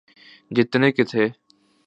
جتنے کے تھے۔